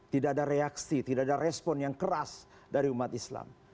tidak ada reaksi tidak ada respon yang keras dari umat islam